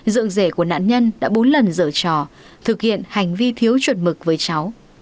dưỡng rể của nạn nhân đã bốn lần dở trò thực hiện hành vi thiếu chuẩn mực với cháu